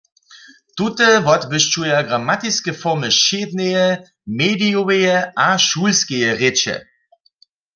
Tute wotbłyšćuja gramatiske formy wšědneje, medijoweje a šulskeje rěče.